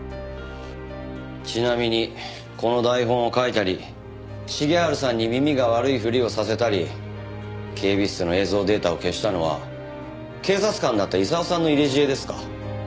ちなみにこの台本を書いたり重治さんに耳が悪いふりをさせたり警備室の映像データを消したのは警察官だった功さんの入れ知恵ですか？